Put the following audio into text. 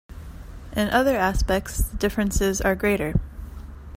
In other aspects, the differences are greater.